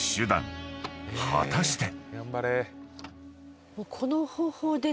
［果たして？］